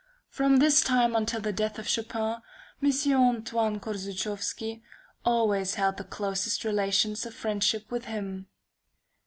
From this time until the death of Chopin, M. Antoine Korzuchowski always held the closest relations of friendship with him.